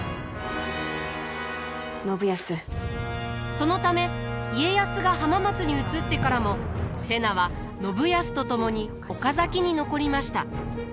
そのため家康が浜松に移ってからも瀬名は信康と共に岡崎に残りました。